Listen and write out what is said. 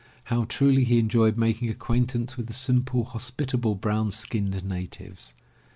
How truly he enjoyed making acquaintance with the simple, hospitable, brown skinned natives.